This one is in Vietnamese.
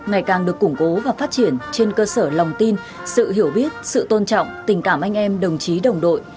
ngày càng được củng cố và phát triển trên cơ sở lòng tin sự hiểu biết sự tôn trọng tình cảm anh em đồng chí đồng đội